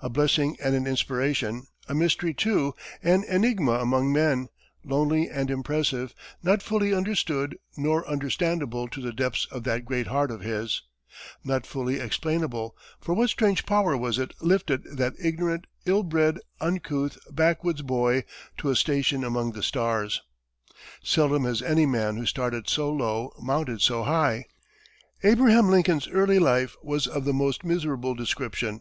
A blessing and an inspiration a mystery, too; an enigma among men, lonely and impressive; not fully understood nor understandable to the depths of that great heart of his; not fully explainable, for what strange power was it lifted that ignorant, ill bred, uncouth, backwoods boy to a station among the stars? Seldom has any man who started so low mounted so high. Abraham Lincoln's early life was of the most miserable description.